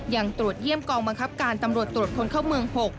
ยังตรวจเยี่ยมกองบังคับการตำรวจตรวจคนเข้าเมือง๖